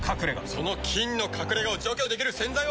その菌の隠れ家を除去できる洗剤は。